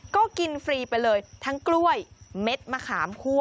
ก็กินฟรีไปเลยทั้งกล้วยเม็ดมะขามคั่ว